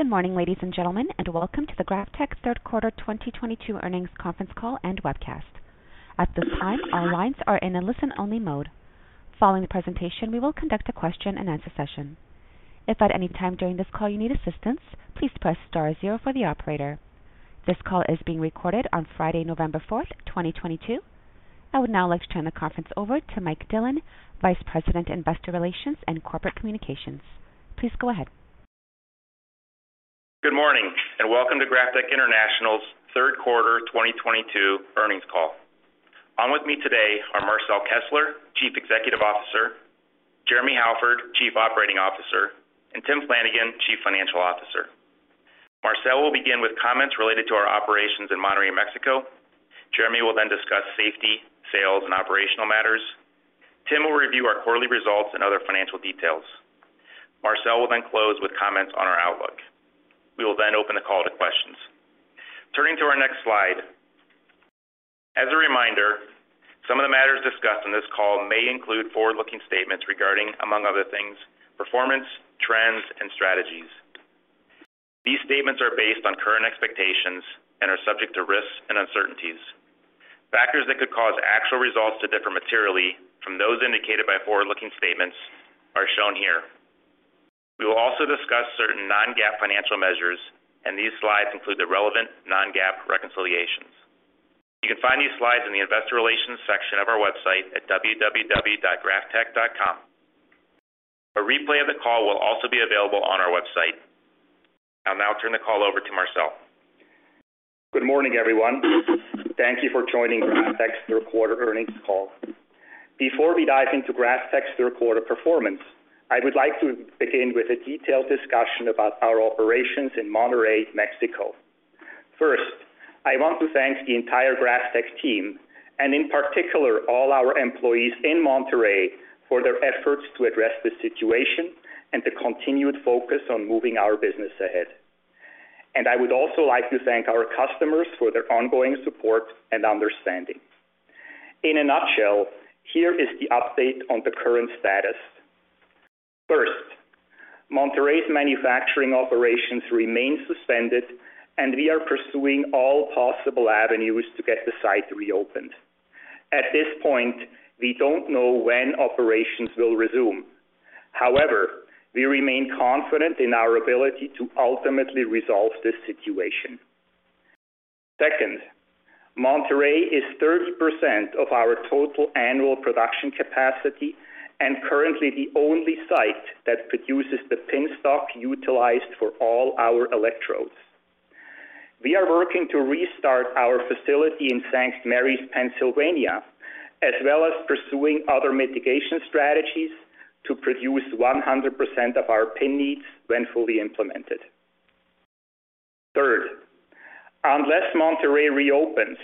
Good morning, ladies and gentlemen, and welcome to the GrafTech third quarter 2022 earnings conference call and webcast. At this time, all lines are in a listen-only mode. Following the presentation, we will conduct a question-and-answer session. If at any time during this call you need assistance, please press star zero for the operator. This call is being recorded on Friday, November 4, 2022. I would now like to turn the conference over to Mike Dillon, Vice President, Investor Relations and Corporate Communications. Please go ahead. Good morning and welcome to GrafTech International's third quarter 2022 earnings call. On with me today are Marcel Kessler, Chief Executive Officer, Jeremy Halford, Chief Operating Officer, and Timothy Flanagan, Chief Financial Officer. Marcel will begin with comments related to our operations in Monterrey, Mexico. Jeremy will then discuss safety, sales, and operational matters. Tim will review our quarterly results and other financial details. Marcel will then close with comments on our outlook. We will then open the call to questions. Turning to our next slide. As a reminder, some of the matters discussed on this call may include forward-looking statements regarding, among other things, performance, trends, and strategies. These statements are based on current expectations and are subject to risks and uncertainties. Factors that could cause actual results to differ materially from those indicated by forward-looking statements are shown here. We will also discuss certain non-GAAP financial measures, and these slides include the relevant non-GAAP reconciliations. You can find these slides in the Investor Relations section of our website at www.graftech.com. A replay of the call will also be available on our website. I'll now turn the call over to Marcel. Good morning, everyone. Thank you for joining GrafTech's third quarter earnings call. Before we dive into GrafTech's third quarter performance, I would like to begin with a detailed discussion about our operations in Monterrey, Mexico. First, I want to thank the entire GrafTech team, and in particular, all our employees in Monterrey for their efforts to address the situation and the continued focus on moving our business ahead. I would also like to thank our customers for their ongoing support and understanding. In a nutshell, here is the update on the current status. First, Monterrey's manufacturing operations remain suspended, and we are pursuing all possible avenues to get the site reopened. At this point, we don't know when operations will resume. However, we remain confident in our ability to ultimately resolve this situation. Second, Monterrey is 30% of our total annual production capacity and currently the only site that produces the pin stock utilized for all our electrodes. We are working to restart our facility in St. Marys, Pennsylvania, as well as pursuing other mitigation strategies to produce 100% of our pin needs when fully implemented. Third, unless Monterrey reopens,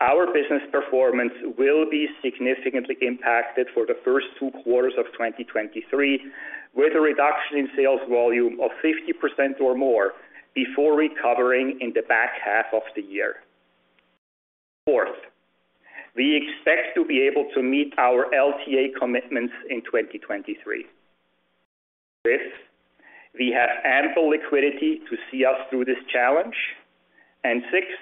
our business performance will be significantly impacted for the first two quarters of 2023, with a reduction in sales volume of 50% or more before recovering in the back half of the year. Fourth, we expect to be able to meet our LTA commitments in 2023. Fifth, we have ample liquidity to see us through this challenge. Sixth,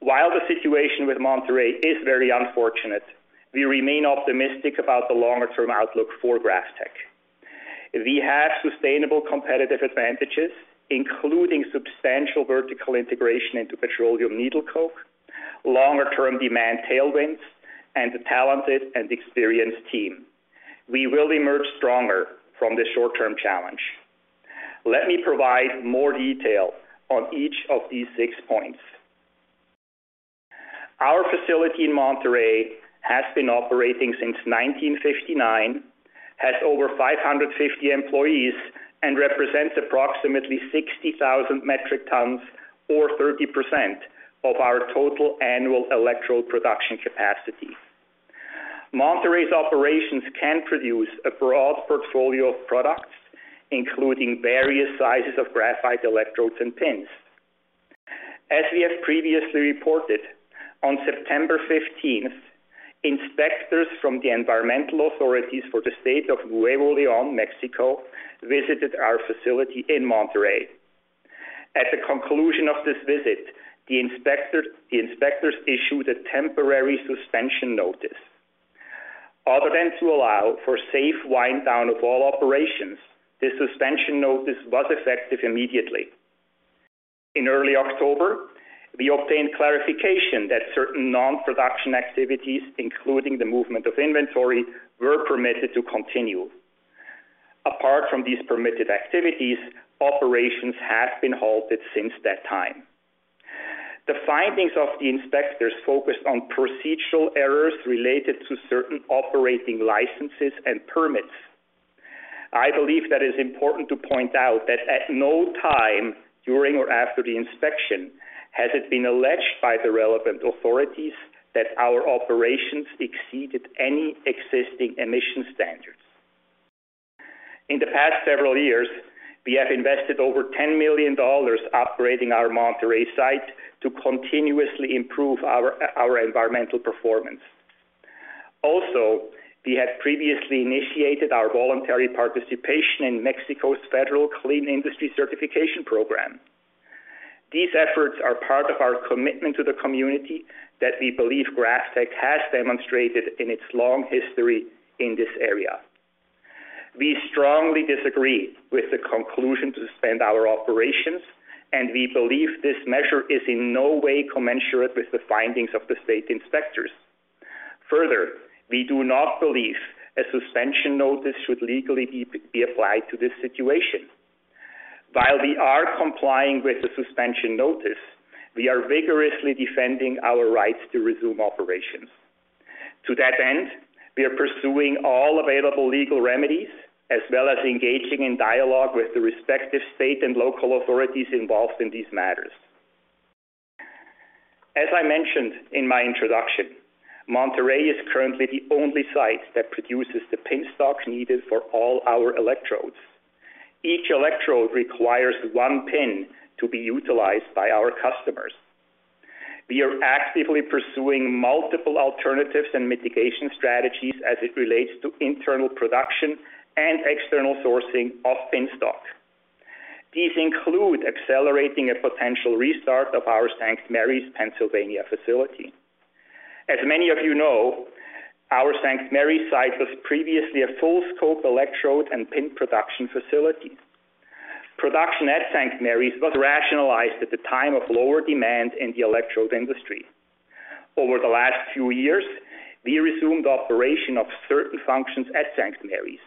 while the situation with Monterrey is very unfortunate, we remain optimistic about the longer-term outlook for GrafTech. We have sustainable competitive advantages, including substantial vertical integration into petroleum needle coke, longer-term demand tailwinds, and a talented and experienced team. We will emerge stronger from this short-term challenge. Let me provide more detail on each of these six points. Our facility in Monterrey has been operating since 1959, has over 550 employees, and represents approximately 60,000 metric tons or 30% of our total annual electrode production capacity. Monterrey's operations can produce a broad portfolio of products, including various sizes of graphite electrodes and pins. As we have previously reported, on September fifteenth, inspectors from the environmental authorities for the State of Nuevo León, Mexico, visited our facility in Monterrey. At the conclusion of this visit, the inspectors issued a temporary suspension notice. Other than to allow for safe wind down of all operations, the suspension notice was effective immediately. In early October, we obtained clarification that certain non-production activities, including the movement of inventory, were permitted to continue. Apart from these permitted activities, operations have been halted since that time. The findings of the inspectors focused on procedural errors related to certain operating licenses and permits. I believe that it's important to point out that at no time during or after the inspection has it been alleged by the relevant authorities that our operations exceeded any existing emission standards. In the past several years, we have invested over $10 million upgrading our Monterrey site to continuously improve our environmental performance. Also, we have previously initiated our voluntary participation in Mexico's Federal Clean Industry Certification Program. These efforts are part of our commitment to the community that we believe GrafTech has demonstrated in its long history in this area. We strongly disagree with the conclusion to suspend our operations, and we believe this measure is in no way commensurate with the findings of the state inspectors. Further, we do not believe a suspension notice should legally be applied to this situation. While we are complying with the suspension notice, we are vigorously defending our rights to resume operations. To that end, we are pursuing all available legal remedies, as well as engaging in dialogue with the respective state and local authorities involved in these matters. As I mentioned in my introduction, Monterrey is currently the only site that produces the pin stock needed for all our electrodes. Each electrode requires one pin to be utilized by our customers. We are actively pursuing multiple alternatives and mitigation strategies as it relates to internal production and external sourcing of pin stock. These include accelerating a potential restart of our St. Marys, Pennsylvania facility. As many of you know, our St. Marys site was previously a full-scope electrode and pin production facility. Production at St. Marys was rationalized at the time of lower demand in the electrode industry. Over the last few years, we resumed operation of certain functions at St. Marys.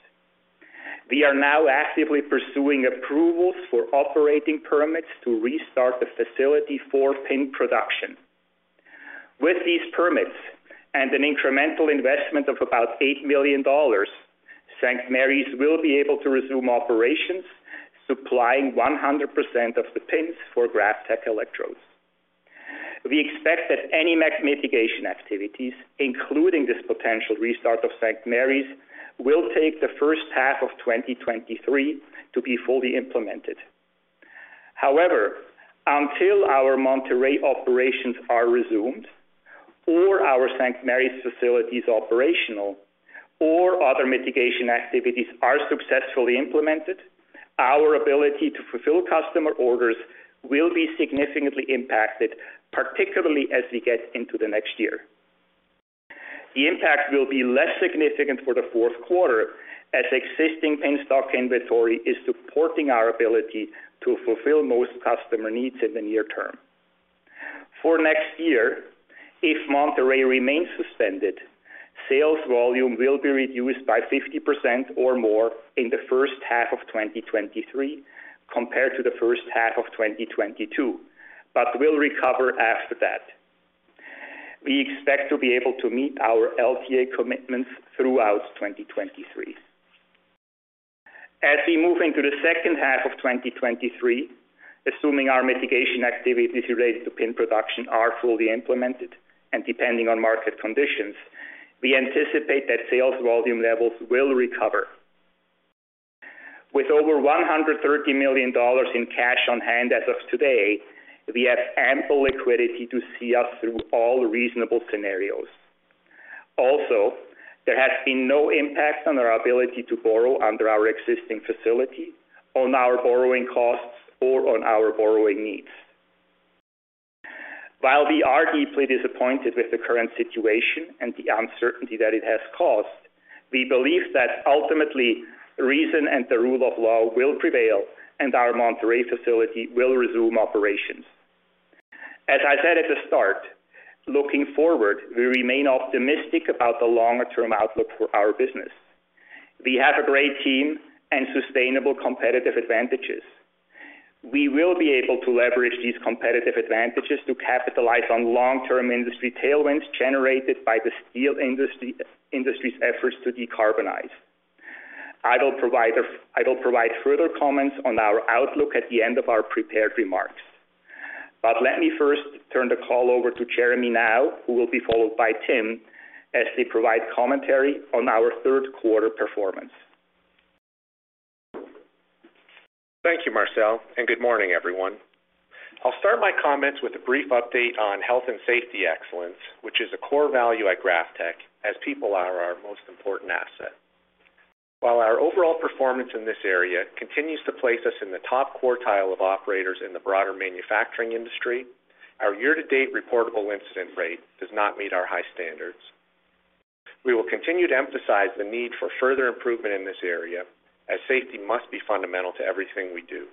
We are now actively pursuing approvals for operating permits to restart the facility for pin production. With these permits and an incremental investment of about $8 million, St. Marys will be able to resume operations, supplying 100% of the pins for GrafTech electrodes. We expect that any Mexico mitigation activities, including this potential restart of St. Marys, will take the first half of 2023 to be fully implemented. However, until our Monterrey operations are resumed or our St. Marys facility is operational or other mitigation activities are successfully implemented, our ability to fulfill customer orders will be significantly impacted, particularly as we get into the next year. The impact will be less significant for the fourth quarter as existing pin stock inventory is supporting our ability to fulfill most customer needs in the near term. For next year, if Monterrey remains suspended, sales volume will be reduced by 50% or more in the first half of 2023 compared to the first half of 2022, but will recover after that. We expect to be able to meet our LTA commitments throughout 2023. As we move into the second half of 2023, assuming our mitigation activities related to pin production are fully implemented and depending on market conditions, we anticipate that sales volume levels will recover. With over $130 million in cash on hand as of today, we have ample liquidity to see us through all reasonable scenarios. Also, there has been no impact on our ability to borrow under our existing facility, on our borrowing costs, or on our borrowing needs. While we are deeply disappointed with the current situation and the uncertainty that it has caused, we believe that ultimately, reason and the rule of law will prevail and our Monterrey facility will resume operations. As I said at the start, looking forward, we remain optimistic about the longer-term outlook for our business. We have a great team and sustainable competitive advantages. We will be able to leverage these competitive advantages to capitalize on long-term industry tailwinds generated by the steel industry's efforts to decarbonize. I will provide further comments on our outlook at the end of our prepared remarks. Let me first turn the call over to Jeremy now, who will be followed by Tim, as they provide commentary on our third quarter performance. Thank you, Marcel, and good morning, everyone. I'll start my comments with a brief update on health and safety excellence, which is a core value at GrafTech as people are our most important asset. While our overall performance in this area continues to place us in the top quartile of operators in the broader manufacturing industry, our year-to-date reportable incident rate does not meet our high standards. We will continue to emphasize the need for further improvement in this area as safety must be fundamental to everything we do.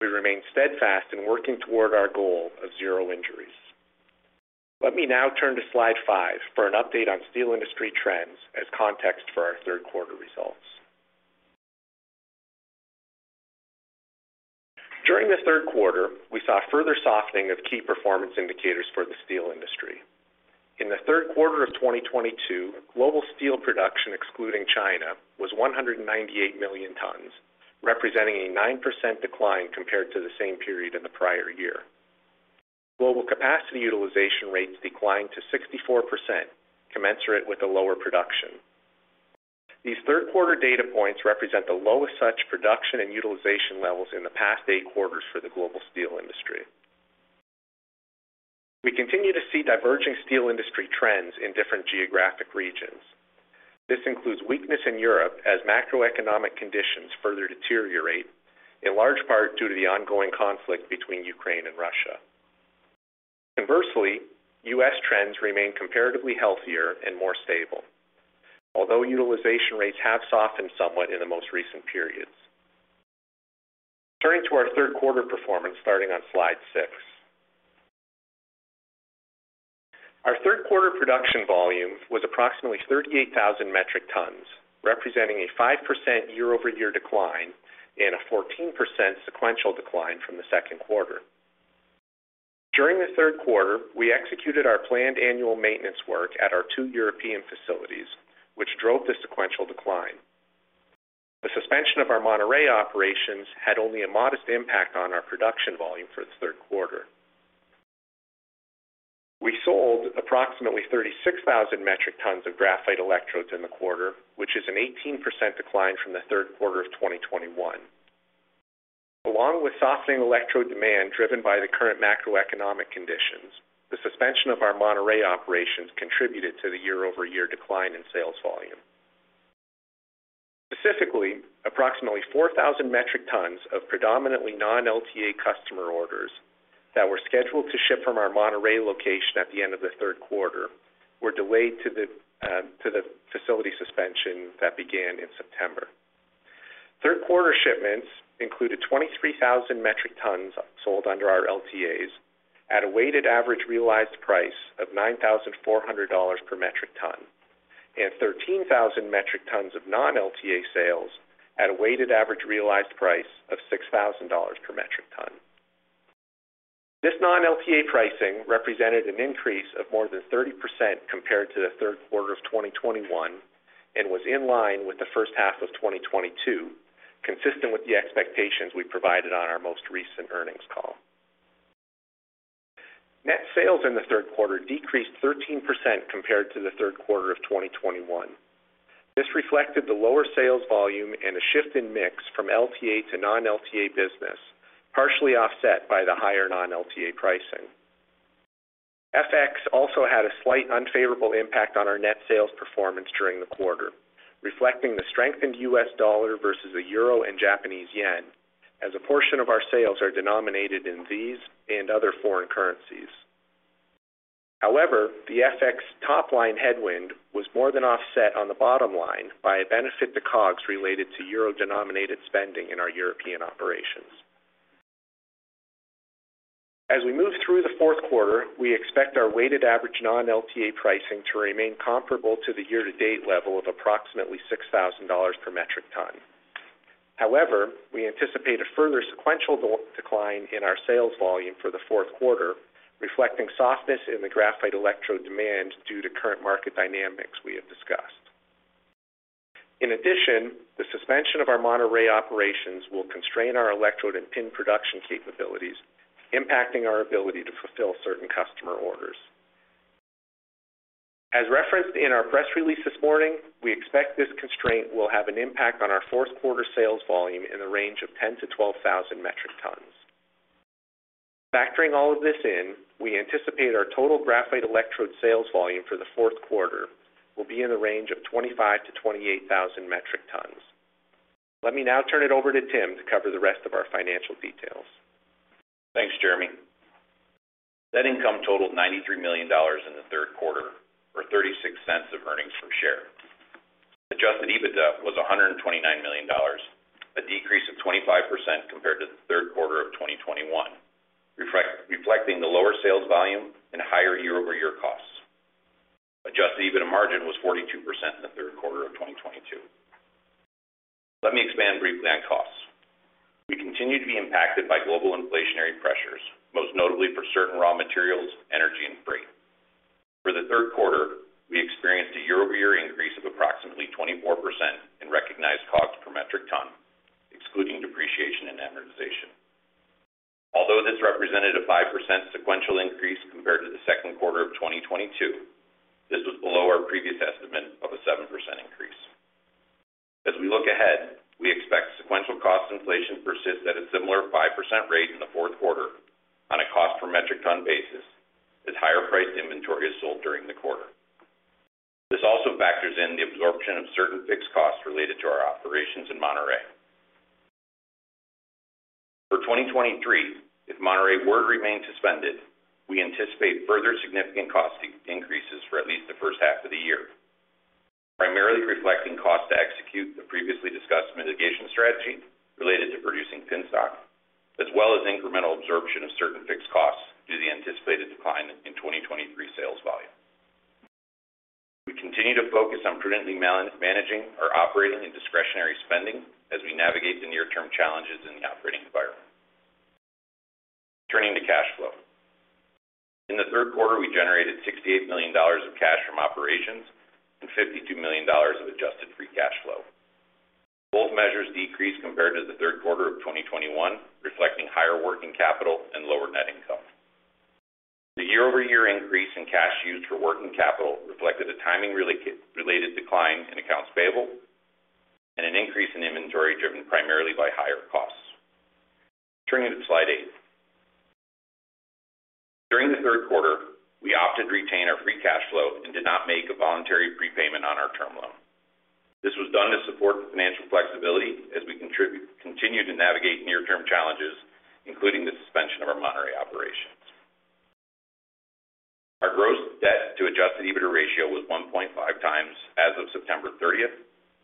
We remain steadfast in working toward our goal of zero injuries. Let me now turn to Slide 5 for an update on steel industry trends as context for our third quarter results. During the third quarter, we saw a further softening of key performance indicators for the steel industry. In the third quarter of 2022, global steel production excluding China was 198 million tons, representing a 9% decline compared to the same period in the prior year. Global capacity utilization rates declined to 64%, commensurate with the lower production. These third quarter data points represent the lowest such production and utilization levels in the past eight quarters for the global steel industry. We continue to see diverging steel industry trends in different geographic regions. This includes weakness in Europe as macroeconomic conditions further deteriorate, in large part due to the ongoing conflict between Ukraine and Russia. Inversely, U.S. trends remain comparatively healthier and more stable, although utilization rates have softened somewhat in the most recent periods. Turning to our third quarter performance, starting on Slide 6. Our third quarter production volume was approximately 38,000 metric tons, representing a 5% year-over-year decline and a 14% sequential decline from the second quarter. During the third quarter, we executed our planned annual maintenance work at our two European facilities, which drove the sequential decline. The suspension of our Monterrey operations had only a modest impact on our production volume for the third quarter. We sold approximately 36,000 metric tons of graphite electrodes in the quarter, which is an 18% decline from the third quarter of 2021. Along with softening electrode demand driven by the current macroeconomic conditions, the suspension of our Monterrey operations contributed to the year-over-year decline in sales volume. Specifically, approximately 4,000 metric tons of predominantly non-LTA customer orders that were scheduled to ship from our Monterrey location at the end of the third quarter were delayed to the facility suspension that began in September. Third quarter shipments included 23,000 metric tons sold under our LTAs at a weighted average realized price of $9,400 per metric ton and 13,000 metric tons of non-LTA sales at a weighted average realized price of $6,000 per metric ton. This non-LTA pricing represented an increase of more than 30% compared to the third quarter of 2021 and was in line with the first half of 2022, consistent with the expectations we provided on our most recent earnings call. Net sales in the third quarter decreased 13% compared to the third quarter of 2021. This reflected the lower sales volume and a shift in mix from LTA to non-LTA business, partially offset by the higher non-LTA pricing. FX also had a slight unfavorable impact on our net sales performance during the quarter, reflecting the strengthened U.S. dollar versus the euro and Japanese yen, as a portion of our sales are denominated in these and other foreign currencies. However, the FX top line headwind was more than offset on the bottom line by a benefit to COGS related to euro-denominated spending in our European operations. As we move through the fourth quarter, we expect our weighted average non-LTA pricing to remain comparable to the year-to-date level of approximately $6,000 per metric ton. However, we anticipate a further sequential decline in our sales volume for the fourth quarter, reflecting softness in the graphite electrode demand due to current market dynamics we have discussed. In addition, the suspension of our Monterrey operations will constrain our electrode and pin production capabilities, impacting our ability to fulfill certain customer orders. As referenced in our press release this morning, we expect this constraint will have an impact on our fourth quarter sales volume in the range of 10-12,000 metric tons. Factoring all of this in, we anticipate our total graphite electrode sales volume for the fourth quarter will be in the range of 25-28,000 metric tons. Let me now turn it over to Tim to cover the rest of our financial details. Thanks, Jeremy. Net income totaled $93 million in the third quarter, or $0.36 earnings per share. Adjusted EBITDA was $129 million, a decrease of 25% compared to the third quarter of 2021, reflecting the lower sales volume and higher year-over-year costs. Adjusted EBITDA margin was 42% in the third quarter of 2022. Let me expand briefly on costs. We continue to be impacted by global inflationary pressures, most notably for certain raw materials, energy, and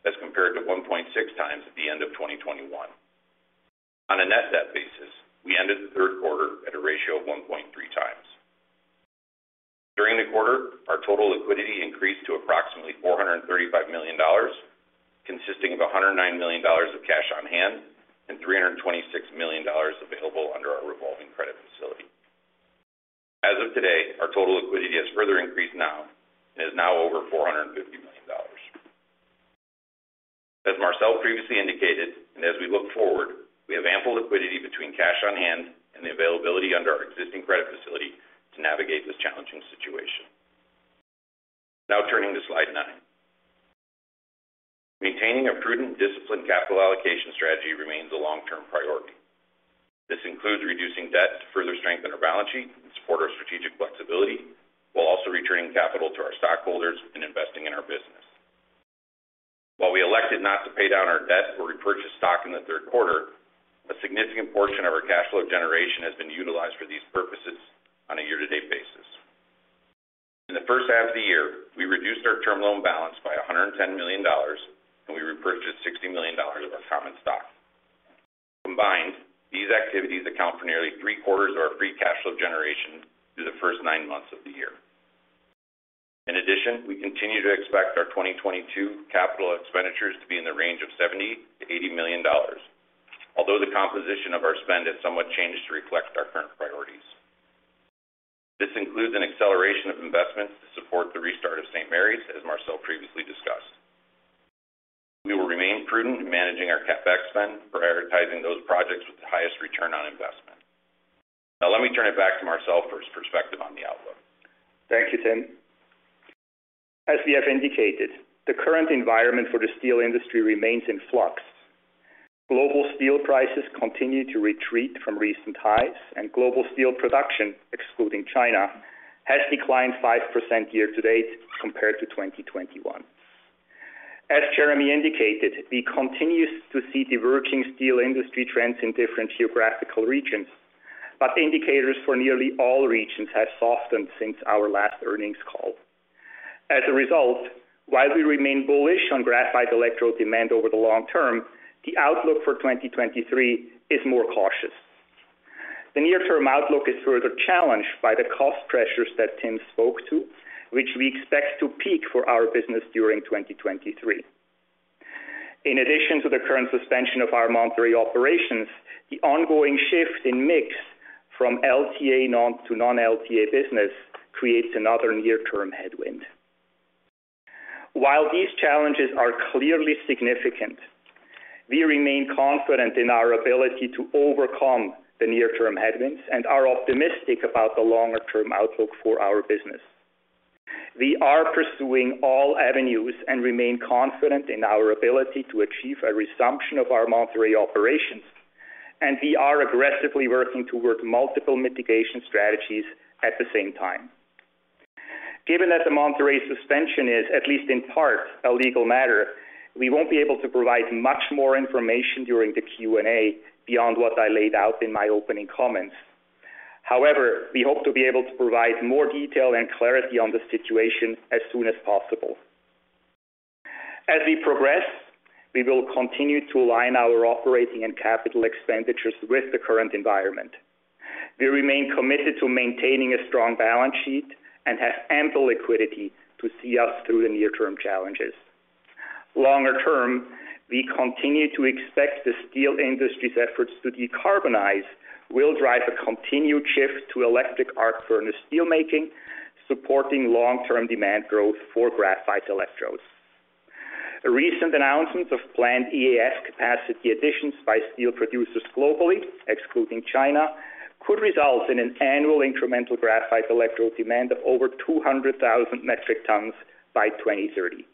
as compared to 1.6x at the end of 2021. On a net debt basis, we ended the third quarter at a ratio of 1.3x. During the quarter, our total liquidity increased to approximately $435 million, consisting of $109 million of cash on hand and $326 million available under our revolving credit facility. As of today, our total liquidity has further increased now and is now over $450 million. As Marcel previously indicated, as we look forward, we have ample liquidity between cash on hand and the availability under our existing credit facility to navigate this challenging situation. Now turning to Slide 9. Maintaining a prudent, disciplined capital allocation strategy remains a long-term priority. This includes reducing debt to further strengthen our balance sheet and support our strategic flexibility, while also returning capital to our stockholders and investing in our business. While we elected not to pay down our debt or repurchase stock in the third quarter, a significant portion of our cash flow generation has been utilized for these purposes on a year-to-date basis. In the first half of the year, we reduced our term loan balance by $110 million, and we repurchased $60 million of our common stock. Combined, these activities account for nearly three-quarters of our Free Cash Flow generation through the first nine months of the year. In addition, we continue to expect our 2022 capital expenditures to be in the range of $70 million-$80 million. Although the composition of our spend has somewhat changed to reflect our current priorities. This includes an acceleration of investments to support the restart of St. Marys, as Marcel previously discussed. We will remain prudent in managing our CapEx spend, prioritizing those projects with the highest return on investment. Now et me turn it back to Marcel for his perspective on the outlook. Thank you, Tim. As we have indicated, the current environment for the steel industry remains in flux. Global steel prices continue to retreat from recent highs, and global steel production, excluding China, has declined 5% year-to-date compared to 2021. As Jeremy indicated, we continue to see diverging steel industry trends in different geographical regions, but indicators for nearly all regions have softened since our last earnings call. As a result, while we remain bullish on graphite electrode demand over the long term, the outlook for 2023 is more cautious. The near-term outlook is further challenged by the cost pressures that Tim spoke to, which we expect to peak for our business during 2023. In addition to the current suspension of our Monterrey operations, the ongoing shift in mix from LTA to non-LTA business creates another near-term headwind. While these challenges are clearly significant, we remain confident in our ability to overcome the near-term headwinds and are optimistic about the longer-term outlook for our business. We are pursuing all avenues and remain confident in our ability to achieve a resumption of our Monterrey operations, and we are aggressively working toward multiple mitigation strategies at the same time. Given that the Monterrey suspension is, at least in part, a legal matter, we won't be able to provide much more information during the Q&A beyond what I laid out in my opening comments. However, we hope to be able to provide more detail and clarity on the situation as soon as possible. As we progress, we will continue to align our operating and capital expenditures with the current environment. We remain committed to maintaining a strong balance sheet and have ample liquidity to see us through the near-term challenges. Longer term, we continue to expect the steel industry's efforts to decarbonize will drive a continued shift to electric arc furnace steelmaking, supporting long-term demand growth for graphite electrodes. A recent announcement of planned EAF capacity additions by steel producers globally, excluding China, could result in an annual incremental graphite electrode demand of over 200,000 metric tons by 2030.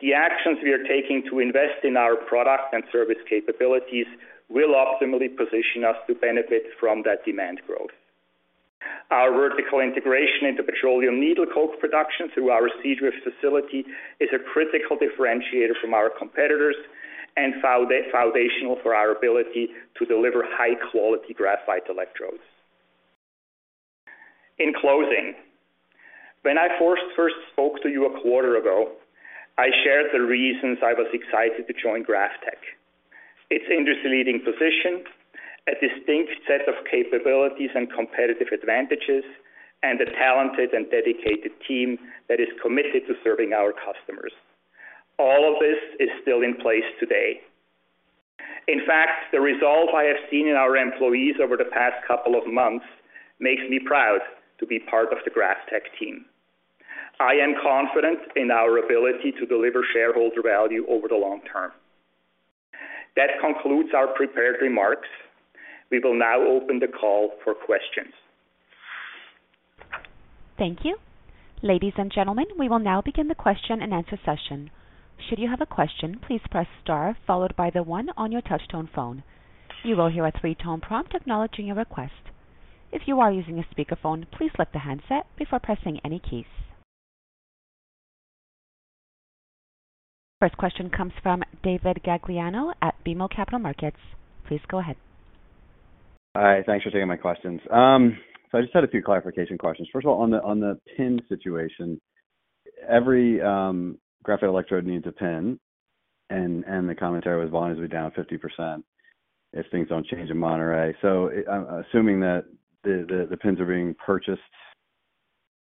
The actions we are taking to invest in our product and service capabilities will optimally position us to benefit from that demand growth. Our vertical integration into petroleum needle coke production through our Seadrift facility is a critical differentiator from our competitors and foundational for our ability to deliver high-quality graphite electrodes. In closing, when I first spoke to you a quarter ago, I shared the reasons I was excited to join GrafTech. Its industry-leading position, a distinct set of capabilities and competitive advantages, and a talented and dedicated team that is committed to serving our customers. All of this is still in place today. In fact, the resolve I have seen in our employees over the past couple of months makes me proud to be part of the GrafTech team. I am confident in our ability to deliver shareholder value over the long term. That concludes our prepared remarks. We will now open the call for questions. Thank you. Ladies and gentlemen, we will now begin the question-and-answer session. Should you have a question, please press star followed by the one on your touchtone phone. You will hear a three-tone prompt acknowledging your request. If you are using a speakerphone, please lift the handset before pressing any keys. First question comes from David Gagliano at BMO Capital Markets. Please go ahead. Hi. Thanks for taking my questions. I just had a few clarification questions. First of all, on the PIN situation, every graphite electrode needs a PIN, and the commentary was volumes will be down 50% if things don't change in Monterrey. I'm assuming that the PINs are being purchased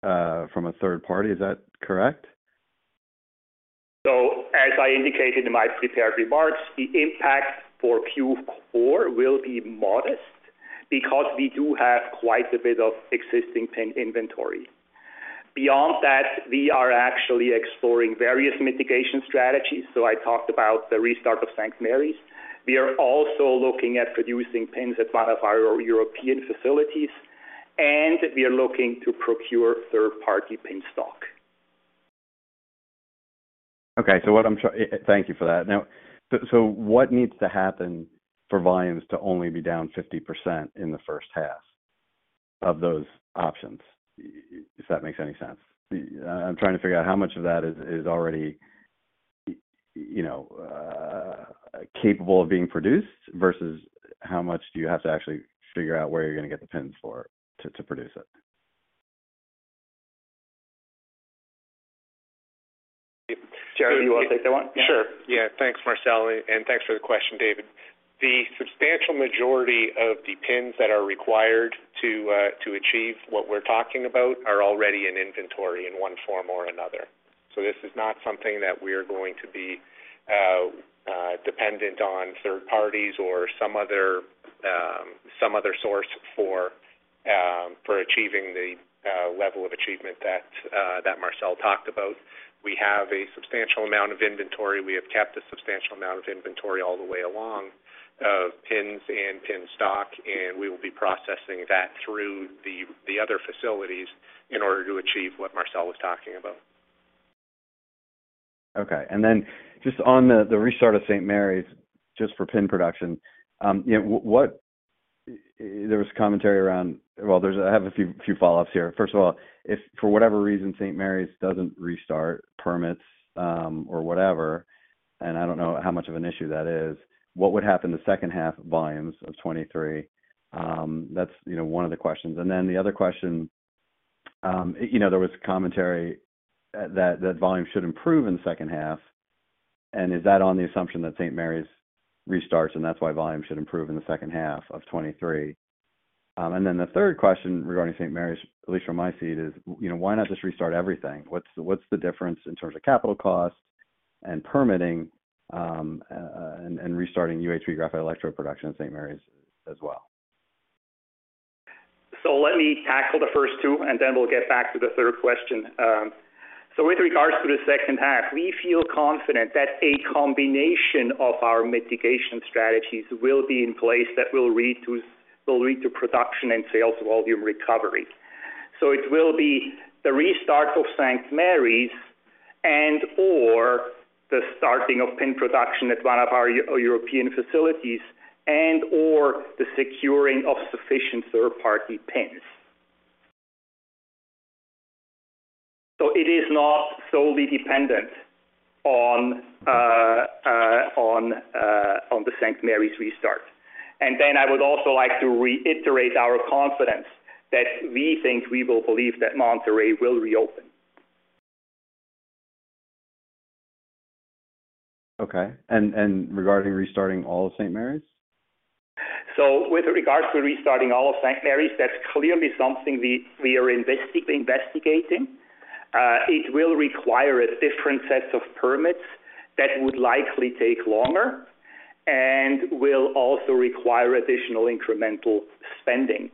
from a third party. Is that correct? As I indicated in my prepared remarks, the impact for Q4 will be modest because we do have quite a bit of existing pin inventory. Beyond that, we are actually exploring various mitigation strategies. I talked about the restart of St. Marys. We are also looking at producing pins at one of our European facilities, and we are looking to procure third-party pin stock. Thank you for that. Now, what needs to happen for volumes to only be down 50% in the first half of those options? If that makes any sense. I'm trying to figure out how much of that is already, you know, capable of being produced versus how much do you have to actually figure out where you're gonna get the pins for to produce it? Jerry, you wanna take that one? Sure. Yeah. Thanks, Marcel, and thanks for the question, David. The substantial majority of the pins that are required to achieve what we're talking about are already in inventory in one form or another. This is not something that we are going to be dependent on third parties or some other source for achieving the level of achievement that Marcel talked about. We have a substantial amount of inventory. We have kept a substantial amount of inventory all the way along of pins and pin stock, and we will be processing that through the other facilities in order to achieve what Marcel was talking about. Just on the restart of St. Marys, just for PIN production. I have a few follow-ups here. First of all, if for whatever reason St. Marys doesn't restart permits, or whatever, and I don't know how much of an issue that is, what would happen the second half volumes of 2023? That's one of the questions. The other question, you know, there was commentary that volume should improve in the second half. Is that on the assumption that St. Marys restarts, and that's why volume should improve in the second half of 2023? The third question regarding St. Marys, at least from my seat, is, you know, why not just restart everything? What's the difference in terms of capital costs and permitting, and restarting UHP graphite electrode production at St. Marys as well? Let me tackle the first two, and then we'll get back to the third question. With regards to the second half, we feel confident that a combination of our mitigation strategies will be in place that will lead to production and sales volume recovery. It will be the restart of St. Marys and/or the starting of PIN production at one of our European facilities and/or the securing of sufficient third-party PINs. It is not solely dependent on the St. Marys restart. Then I would also like to reiterate our confidence that we think we will believe that Monterrey will reopen. Okay. Regarding restarting all of St. Marys? With regards to restarting all of St. Marys, that's clearly something we are investigating. It will require a different set of permits that would likely take longer and will also require additional incremental spending.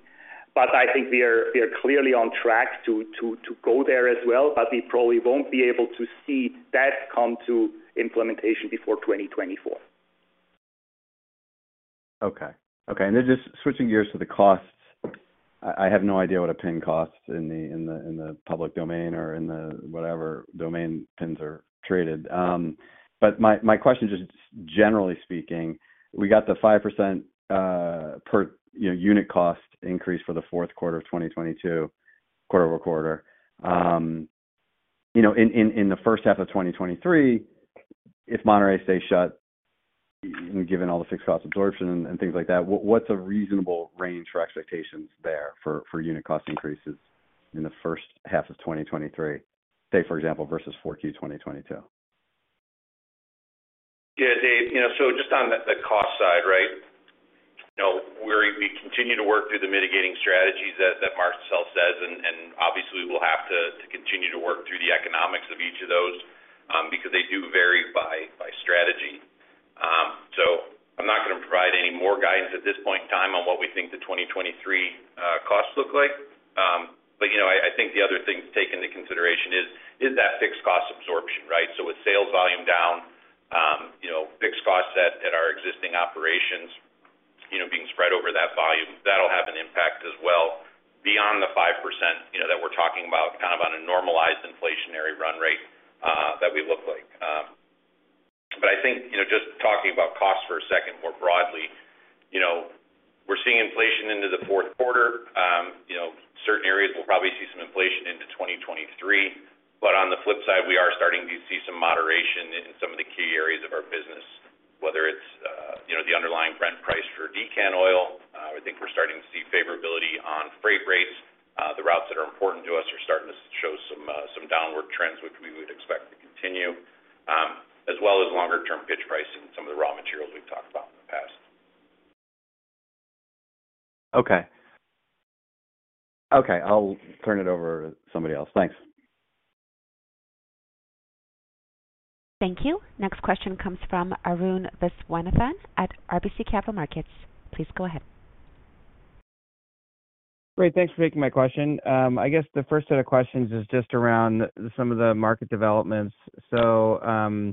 I think we are clearly on track to go there as well, but we probably won't be able to see that come to implementation before 2024. Okay. Just switching gears to the costs. I have no idea what a PIN costs in the public domain or in the whatever domain PINs are traded. My question just generally speaking, we got the 5% per unit cost increase for the fourth quarter of 2022 quarter-over-quarter. You know, in the first half of 2023, if Monterrey stays shut, given all the fixed cost absorption and things like that, what's a reasonable range for expectations there for unit cost increases in the first half of 2023, say, for example, versus 4Q 2022? Yeah. Dave, you know, just on the cost side, right? You know, we continue to work through the mitigating strategies as Marcel says, and obviously we'll have to continue to work through the economics of each of those, because they do vary by strategy. I'm not gonna provide any more guidance at this point in time on what we think the 2023 costs look like. I think the other thing to take into consideration is that fixed cost absorption, right? With sales volume down, you know, fixed costs at our existing operations, you know, being spread over that volume, that'll have an impact as well beyond the 5%, you know, that we're talking about kind of on a normalized inflationary run rate, that we look like. I think, you know, just talking about costs for a second more broadly, you know, we're seeing inflation into the fourth quarter. Certain areas we'll probably see some inflation into 2023. On the flip side, we are starting to see some moderation in some of the key areas of our business, whether it's the underlying Brent price for decant oil. I think we're starting to see favorability on freight rates. The routes that are important to us are starting to show some downward trends, which we would expect to continue, as well as longer term pitch pricing in some of the raw materials we've talked about in the past. Okay, I'll turn it over to somebody else. Thanks. Thank you. Next question comes from Arun Viswanathan at RBC Capital Markets. Please go ahead. Great. Thanks for taking my question. I guess the first set of questions is just around some of the market developments. You know,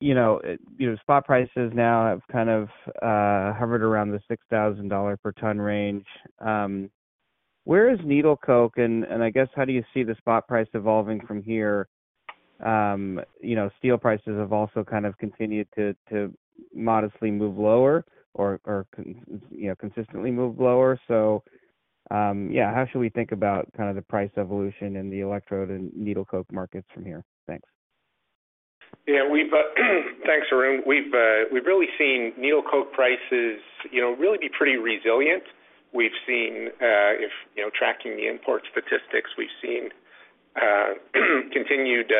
you know, spot prices now have kind of hovered around the $6,000 per ton range. Where is needle coke? And I guess, how do you see the spot price evolving from here? You know, steel prices have also kind of continued to modestly move lower or you know, consistently move lower. Yeah, how should we think about kind of the price evolution in the electrode and needle coke markets from here? Thanks. Yeah, we've Thanks, Arun. We've really seen needle coke prices, you know, really be pretty resilient. We've seen, you know, tracking the import statistics, we've seen continued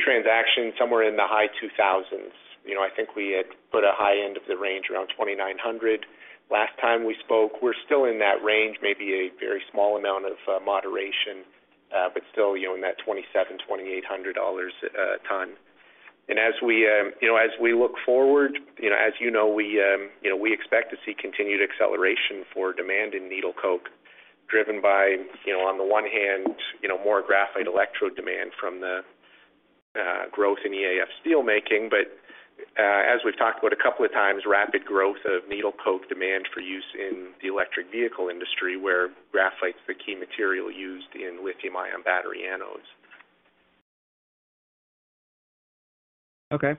transactions somewhere in the high 2,000s. You know, I think we had put a high end of the range around 2,900 last time we spoke. We're still in that range, maybe a very small amount of moderation, but still, you know, in that $2,700-$2,800 a ton. As we look forward, you know, as you know, we expect to see continued acceleration for demand in needle coke driven by, you know, on the one hand, you know, more graphite electrode demand from the growth in EAF steel making. As we've talked about a couple of times, rapid growth of needle coke demand for use in the electric vehicle industry, where graphite's the key material used in lithium-ion battery anodes. Okay.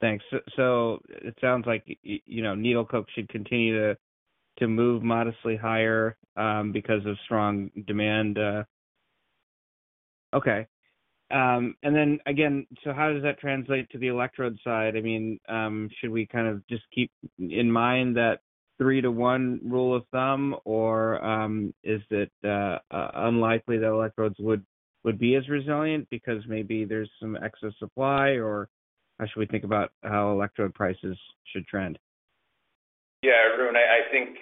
Thanks. It sounds like, you know, needle coke should continue to move modestly higher, because of strong demand. Okay. How does that translate to the electrode side? I mean, should we kind of just keep in mind that three to one rule of thumb or, is it unlikely that electrodes would be as resilient because maybe there's some excess supply? How should we think about how electrode prices should trend? Yeah. Arun, I think,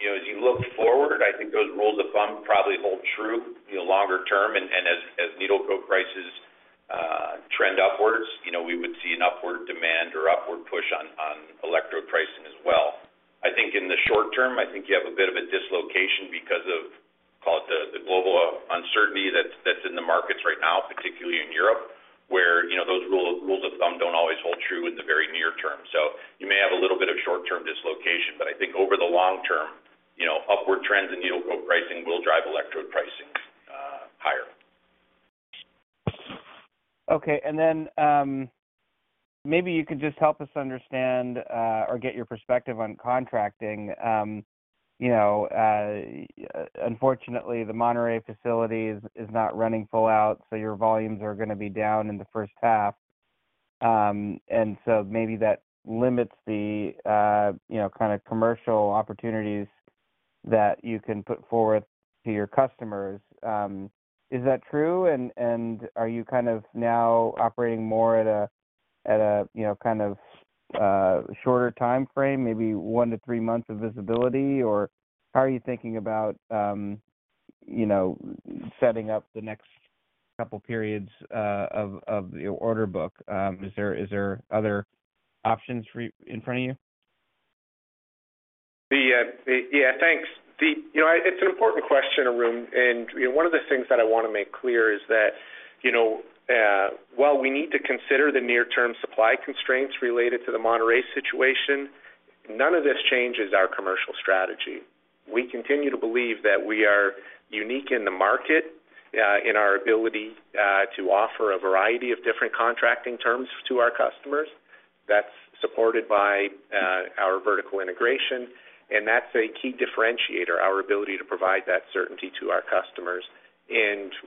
you know, as you look forward, I think those rules of thumb probably hold true, you know, longer term. As needle coke prices trend upwards, you know, we would see an upward demand or upward push on electrode pricing as well. I think in the short term, I think you have a bit of a dislocation because of, call it the global uncertainty that's in the markets right now, particularly in Europe, where, you know, those rules of thumb don't always hold true in the very near term. You may have a little bit of short-term dislocation, but I think over the long term, you know, upward trends in needle coke pricing will drive electrode pricing higher. Okay. Then, maybe you could just help us understand, or get your perspective on contracting. You know, unfortunately, the Monterrey facility is not running full out, so your volumes are gonna be down in the first half. Maybe that limits the, you know, kind of commercial opportunities that you can put forward to your customers. Is that true? Are you kind of now operating more at a, you know, kind of, shorter timeframe, maybe one to three months of visibility? How are you thinking about, you know, setting up the next couple periods, of the order book? Is there other options for you in front of you? Yeah, thanks. You know, it's an important question, Arun. You know, one of the things that I wanna make clear is that, you know, while we need to consider the near term supply constraints related to the Monterrey situation, none of this changes our commercial strategy. We continue to believe that we are unique in the market, in our ability, to offer a variety of different contracting terms to our customers. That's supported by, our vertical integration, and that's a key differentiator, our ability to provide that certainty to our customers.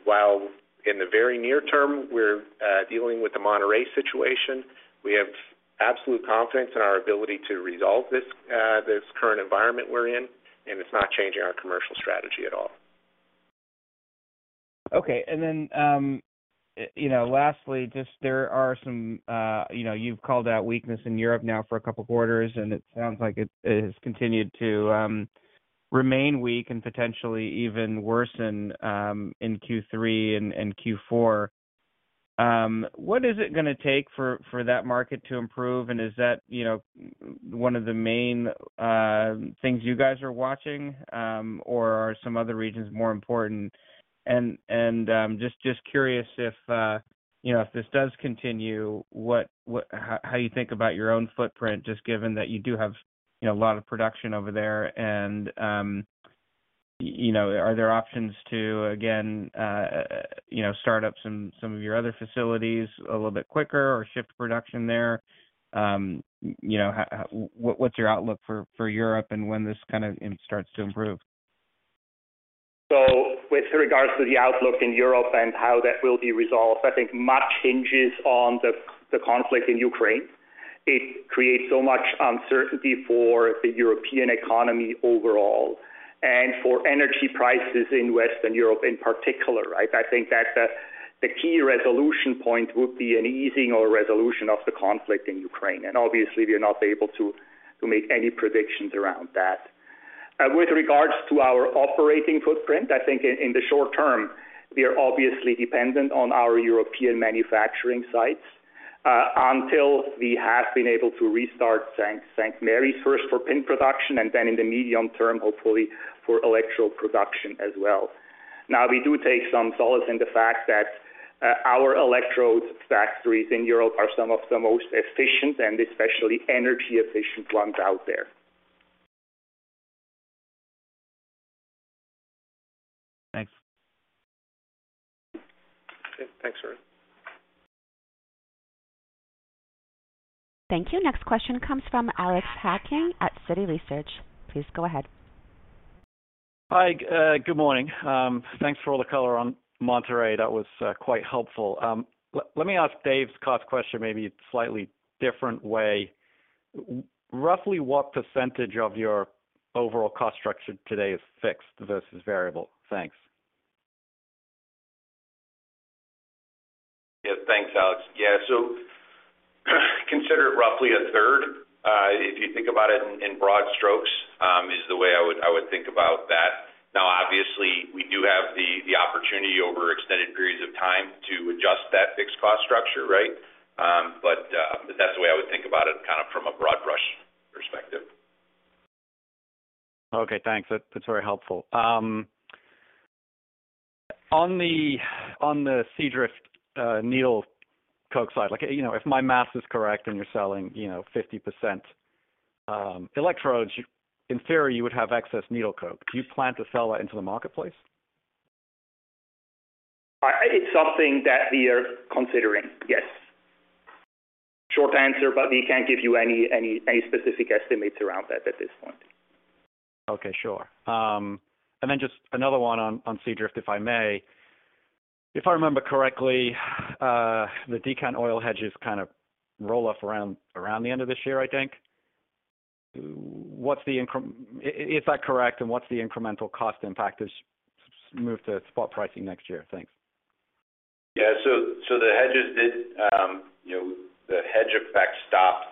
While in the very near term, we're dealing with the Monterrey situation, we have absolute confidence in our ability to resolve this current environment we're in, and it's not changing our commercial strategy at all. Okay. You know, lastly, just there are some, you know, you've called out weakness in Europe now for a couple quarters, and it sounds like it has continued to remain weak and potentially even worsen in Q3 and Q4. What is it gonna take for that market to improve? And is that, you know, one of the main things you guys are watching or are some other regions more important? And just curious if you know, if this does continue, how you think about your own footprint, just given that you do have you know, a lot of production over there and you know, are there options to again you know, start up some of your other facilities a little bit quicker or shift production there? You know, what's your outlook for Europe and when this kind of it starts to improve? With regards to the outlook in Europe and how that will be resolved, I think much hinges on the conflict in Ukraine. It creates so much uncertainty for the European economy overall and for energy prices in Western Europe in particular, right? I think that the key resolution point would be an easing or resolution of the conflict in Ukraine, and obviously we are not able to make any predictions around that. With regards to our operating footprint, I think in the short term, we are obviously dependent on our European manufacturing sites, until we have been able to restart St. Marys first for pin production, and then in the medium term, hopefully for electrode production as well. Now we do take some solace in the fact that, our electrode factories in Europe are some of the most efficient and especially energy efficient ones out there. Thanks. Okay. Thanks, Arun. Thank you. Next question comes from Alex Hacking at Citi Research. Please go ahead. Hi. Good morning. Thanks for all the color on Monterrey. That was quite helpful. Let me ask Dave's cost question maybe a slightly different way. Roughly what percentage of your overall cost structure today is fixed versus variable? Thanks. Yeah. Thanks, Alex. Yeah. Consider it roughly a third, if you think about it in broad strokes, is the way I would think about that. Now, obviously, we do have the opportunity over extended periods of time to adjust that fixed cost structure, right? But that's the way I would think about it, kind of from a broad brush perspective. Okay, thanks. That's very helpful. On the Seadrift needle coke side, like, you know, if my math is correct and you're selling, you know, 50% electrodes, in theory you would have excess needle coke. Do you plan to sell that into the marketplace? It's something that we are considering. Yes. Short answer, but we can't give you any specific estimates around that at this point. Okay, sure. Just another one on Seadrift, if I may. If I remember correctly, the decant oil hedges kind of roll off around the end of this year, I think. Is that correct, and what's the incremental cost impact as we move to spot pricing next year? Thanks. Yeah. The hedges did, you know, the hedge effect stopped,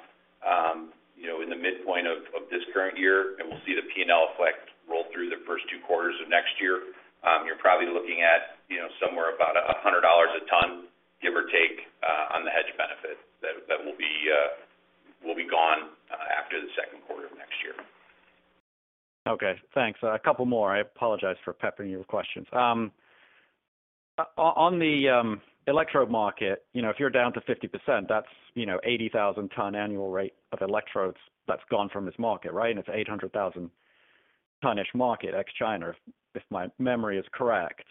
you know, in the midpoint of this current year, and we'll see the P&L effect roll through the first two quarters of next year. You're probably looking at, you know, somewhere about $100 a ton, give or take, on the hedge benefit that will be gone after the second quarter of next year. Okay, thanks. A couple more. I apologize for peppering you with questions. On the electrode market, you know, if you're down to 50%, that's, you know, 80,000-ton annual rate of electrodes that's gone from this market, right? It's 800,000-ton-ish market, ex-China, if my memory is correct.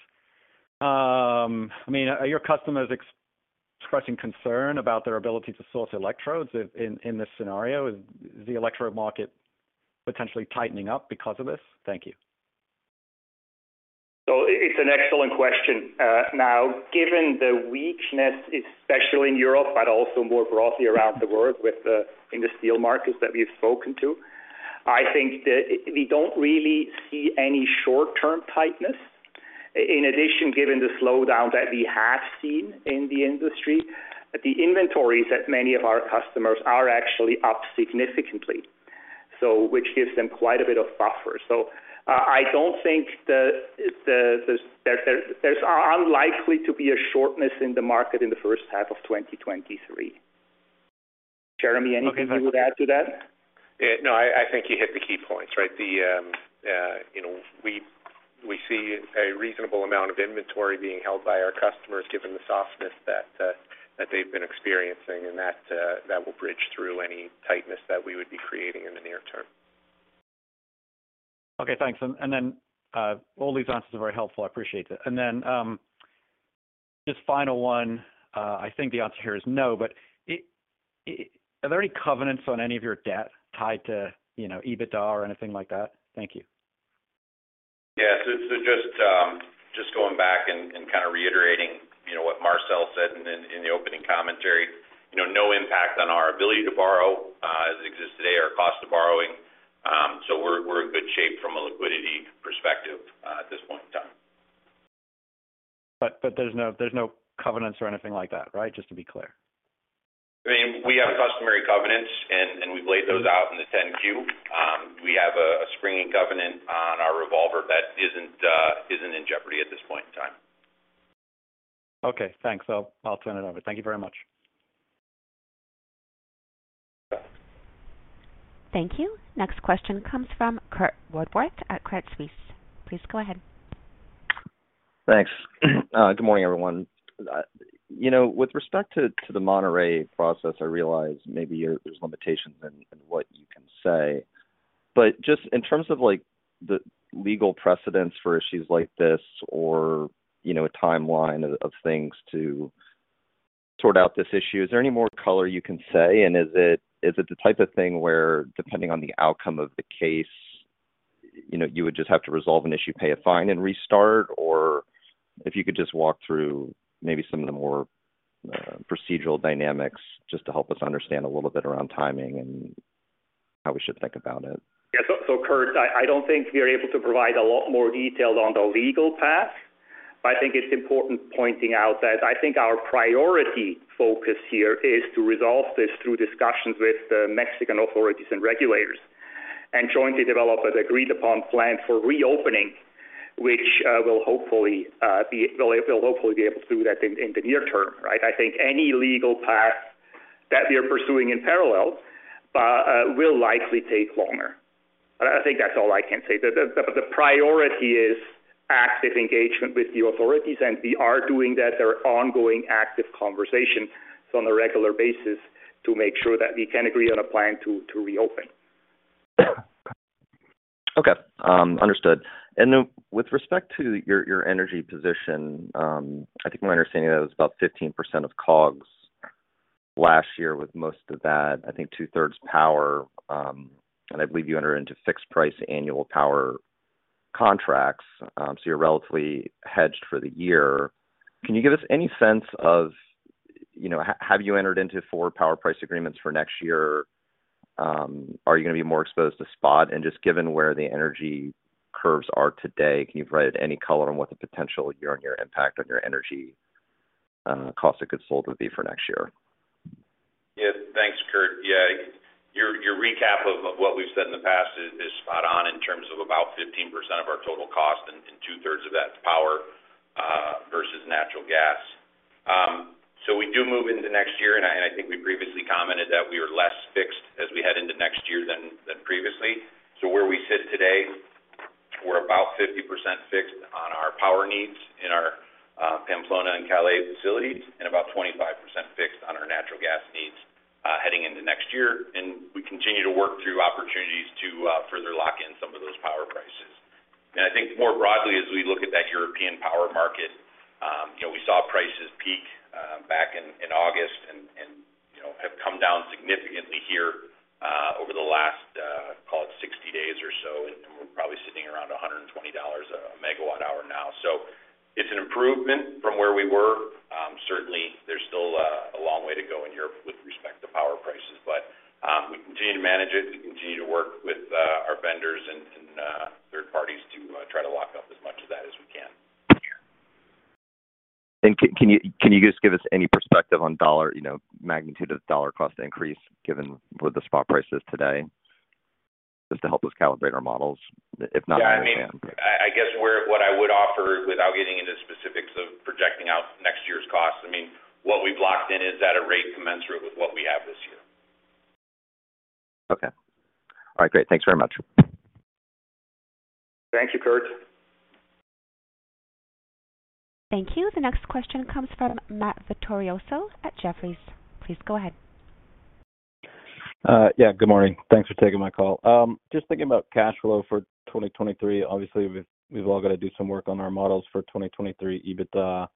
I mean, are your customers expressing concern about their ability to source electrodes in this scenario? Is the electrode market potentially tightening up because of this? Thank you. It's an excellent question. Now, given the weakness, especially in Europe, but also more broadly around the world within the steel markets that we've spoken to, I think that we don't really see any short-term tightness. In addition, given the slowdown that we have seen in the industry, the inventories at many of our customers are actually up significantly, so, which gives them quite a bit of buffer. I don't think there's unlikely to be a shortage in the market in the first half of 2023. Jeremy, anything you would add to that? Yeah. No, I think you hit the key points, right. The, you know, we see a reasonable amount of inventory being held by our customers given the softness that they've been experiencing and that will bridge through any tightness that we would be creating in the near term. Okay, thanks. All these answers are very helpful. I appreciate that. Just final one. I think the answer here is no, but are there any covenants on any of your debt tied to, you know, EBITDA or anything like that? Thank you. Yeah. Just going back and kind of reiterating, you know, what Marcel said in the opening commentary. You know, no impact on our ability to borrow, as it exists today or cost of borrowing. We're in good shape from a liquidity perspective at this point in time. There's no covenants or anything like that, right? Just to be clear. I mean, we have customary covenants and we've laid those out in the 10-Q. We have a screening covenant on our revolver that isn't in jeopardy at this point in time. Okay, thanks. I'll turn it over. Thank you very much. Thank you. Next question comes from Curt Woodworth at Credit Suisse. Please go ahead. Thanks. Good morning, everyone. You know, with respect to the Monterrey process, I realize maybe there's limitations in what you can say. Just in terms of, like, the legal precedents for issues like this or, you know, a timeline of things to sort out this issue, is there any more color you can say, and is it the type of thing where depending on the outcome of the case, you know, you would just have to resolve an issue, pay a fine and restart? Or if you could just walk through maybe some of the more procedural dynamics just to help us understand a little bit around timing and how we should think about it. Yeah. Kurt, I don't think we are able to provide a lot more detail on the legal path, but I think it's important pointing out that I think our priority focus here is to resolve this through discussions with the Mexican authorities and regulators and jointly develop an agreed upon plan for reopening, which will hopefully be, we'll hopefully be able to do that in the near term, right? I think any legal path that we are pursuing in parallel will likely take longer. I think that's all I can say. The priority is active engagement with the authorities, and we are doing that. There are ongoing active conversations on a regular basis to make sure that we can agree on a plan to reopen. Understood. With respect to your energy position, I think my understanding is about 15% of COGS last year, with most of that, I think two-thirds power, and I believe you enter into fixed price annual power contracts, so you're relatively hedged for the year. Can you give us any sense of, you know, have you entered into forward power price agreements for next year? Are you gonna be more exposed to spot? Just given where the energy curves are today, can you provide any color on what the potential year-on-year impact on your energy cost of goods sold would be for next year? Yeah. Thanks, Kurt. Yeah. Your recap of what we've said in the past is spot on in terms of about 15% of our total cost and two-thirds of that's power versus natural gas. We do move into next year, and I think we previously commented that we are less fixed as we head into next year than previously. Where we sit today, we're about 50% fixed on our power needs in our Pamplona and Calais facilities and about 25% fixed on our natural gas needs heading into next year. We continue to work through opportunities to further lock in some of those power prices. I think more broadly, as we look at that European power market, you know, we saw prices peak back in August and you know have come down significantly here over the last call it 60 days or so, and we're probably sitting around $120 MWh now. It's an improvement from where we were. Certainly there's still a long way to go in Europe with respect to power prices. We continue to manage it. We continue to work with our vendors and third parties to try to lock up as much of that as we can. Can you just give us any perspective on dollar, you know, magnitude of dollar cost increase given where the spot price is today? Just to help us calibrate our models. If not now- Yeah. I mean, I guess what I would offer, without getting into specifics of projecting out next year's costs, I mean, what we've locked in is at a rate commensurate with what we have this year. Okay. All right, great. Thanks very much. Thank you, Curt. Thank you. The next question comes from Matthew Vittorioso at Jefferies. Please go ahead. Yeah, good morning. Thanks for taking my call. Just thinking about cash flow for 2023. Obviously, we've all got to do some work on our models for 2023 EBITDA,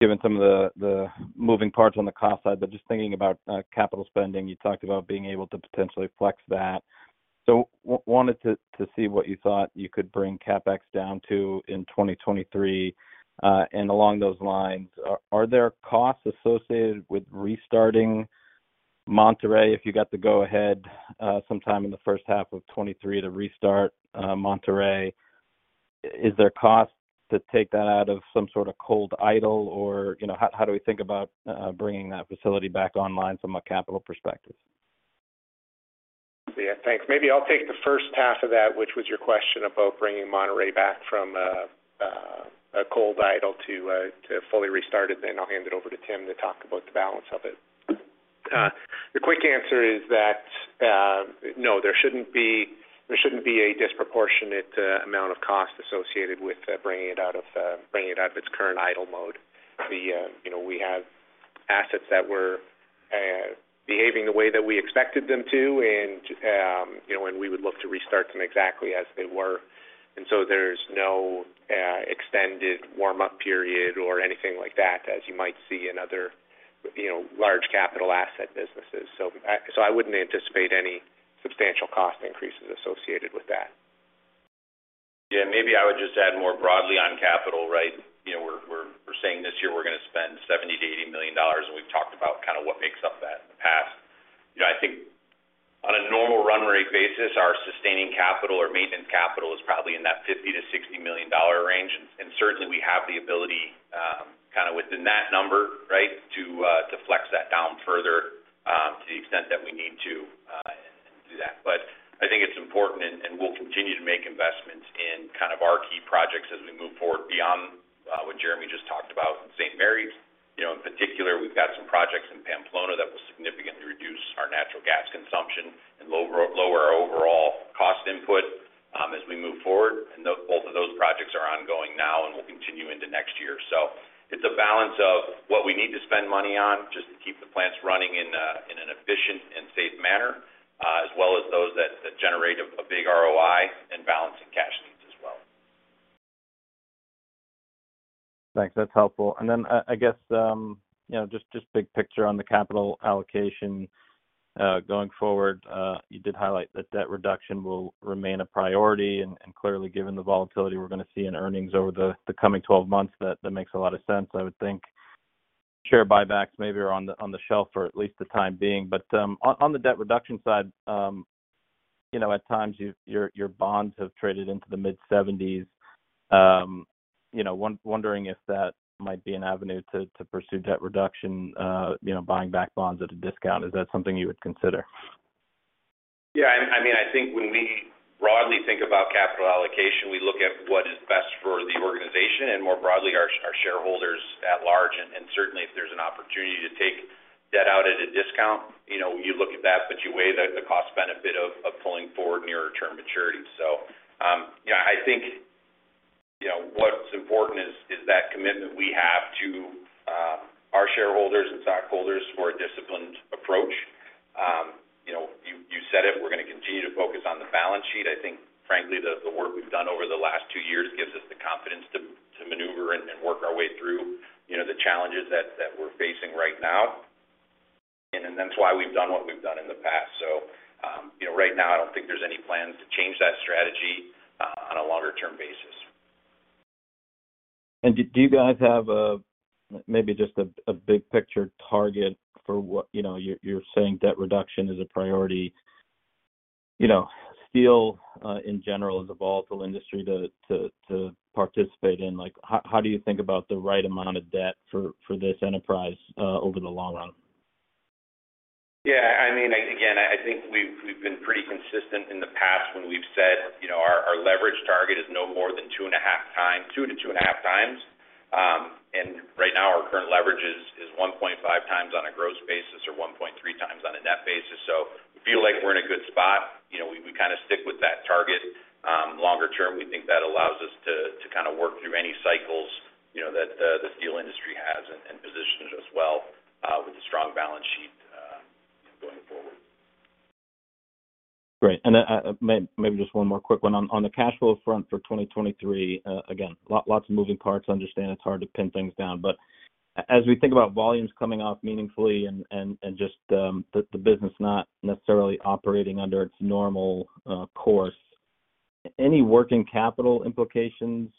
given some of the moving parts on the cost side. Just thinking about capital spending, you talked about being able to potentially flex that. Wanted to see what you thought you could bring CapEx down to in 2023. Along those lines, are there costs associated with restarting Monterrey if you got the go-ahead sometime in the first half of 2023 to restart Monterrey? Is there costs to take that out of some sort of cold idle? Or, you know, how do we think about bringing that facility back online from a capital perspective? Yeah, thanks. Maybe I'll take the first half of that, which was your question about bringing Monterrey back from a cold idle to fully restart it, then I'll hand it over to Tim to talk about the balance of it. The quick answer is that no, there shouldn't be a disproportionate amount of cost associated with bringing it out of its current idle mode. You know, we have assets that were behaving the way that we expected them to, and you know, we would look to restart them exactly as they were. There's no extended warm-up period or anything like that, as you might see in other large capital asset businesses. I wouldn't anticipate any substantial cost increases associated with that. Yeah, maybe I would just add more broadly on capital, right? You know, we're saying this year we're gonna spend $70 million-$80 million, and we've talked about kind of what makes up that in the past. You know, I think on a basis, our sustaining capital or maintenance capital is probably in that $50 million-$60 million range. Certainly we have the ability, kind of within that number, right, to flex that down further, to the extent that we need to do that. But I think it's important and we'll continue to make investments in kind of our key projects as we move forward beyond what Jeremy just talked about in St. Marys. You know, in particular, we've got some projects in Pamplona that will significantly reduce our natural gas consumption and lower our overall cost input, as we move forward. Both of those projects are ongoing now and will continue into next year. It's a balance of what we need to spend money on just to keep the plants running in an efficient and safe manner, as well as those that generate a big ROI and balancing cash needs as well. Thanks. That's helpful. I guess you know just big picture on the capital allocation going forward you did highlight that debt reduction will remain a priority. Clearly given the volatility we're gonna see in earnings over the coming 12 months that makes a lot of sense I would think. Share buybacks maybe are on the shelf for at least the time being but on the debt reduction side you know at times your bonds have traded into the mid-70s. You know wondering if that might be an avenue to pursue debt reduction you know buying back bonds at a discount. Is that something you would consider? Yeah, I mean, I think when we broadly think about capital allocation, we look at what is best for the organization and more broadly our shareholders at large. Certainly, if there's an opportunity to take debt out at a discount, you know, you look at that, but you weigh the cost-benefit of pulling forward near-term maturity. Yeah, I think, you know, what's important is that commitment we have to our shareholders and stockholders for a disciplined approach. You know, you said it, we're gonna continue to focus on the balance sheet. I think, frankly, the work we've done over the last two years gives us the confidence to maneuver and work our way through, you know, the challenges that we're facing right now. That's why we've done what we've done in the past. You know, right now I don't think there's any plans to change that strategy on a longer term basis. Do you guys have maybe just a big picture target for what? You know, you're saying debt reduction is a priority. You know, steel in general is a volatile industry to participate in. Like, how do you think about the right amount of debt for this enterprise over the long run? Yeah, I mean, again, I think we've been pretty consistent in the past when we've said, you know, our leverage target is no more than 2x-2.5x. Right now our current leverage is 1.5x on a gross basis or 1.3x on a net basis. We feel like we're in a good spot. You know, we kind of stick with that target. Longer term, we think that allows us to kind of work through any cycles, you know, that the steel industry has and position it as well with a strong balance sheet going forward. Great. Maybe just one more quick one. On the cash flow front for 2023, again, lots of moving parts. I understand it's hard to pin things down. As we think about volumes coming off meaningfully and just the business not necessarily operating under its normal course, any working capital implications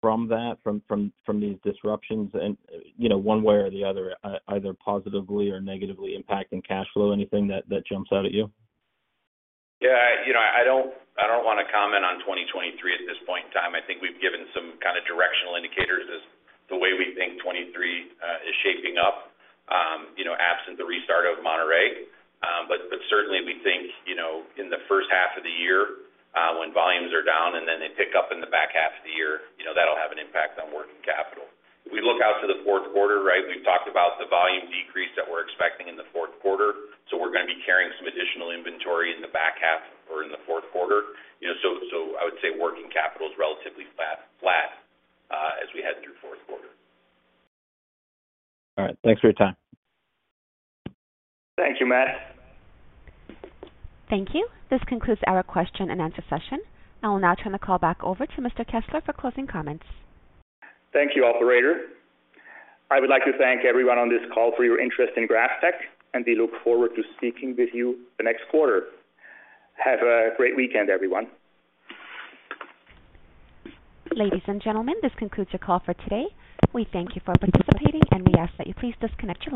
from that, from these disruptions and, you know, one way or the other, either positively or negatively impacting cash flow? Anything that jumps out at you? Yeah, you know, I don't wanna comment on 2023 at this point in time. I think we've given some kind of directional indicators as the way we think 2023 is shaping up, you know, absent the restart of Monterrey. But certainly we think, you know, in the first half of the year, when volumes are down and then they pick up in the back half of the year, you know, that'll have an impact on working capital. If we look out to the fourth quarter, right? We've talked about the volume decrease that we're expecting in the fourth quarter. We're gonna be carrying some additional inventory in the back half or in the fourth quarter. You know, I would say working capital is relatively flat as we head through fourth quarter. All right. Thanks for your time. Thank you, Matt. Thank you. This concludes our question-and-answer session. I will now turn the call back over to Mr. Kessler for closing comments. Thank you, operator. I would like to thank everyone on this call for your interest in GrafTech, and we look forward to speaking with you the next quarter. Have a great weekend, everyone. Ladies and gentlemen, this concludes your call for today. We thank you for participating, and we ask that you please disconnect your